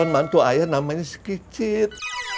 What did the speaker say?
dan mantu ayah namanya si kicit